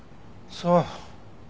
そう。